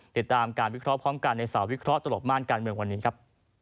ติดตามการวิเคราะห์พร้อมกันในสาววิเคราะห์ตลบม่านการเมืองวันนี้ครับ